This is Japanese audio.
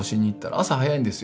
朝早いんですよ。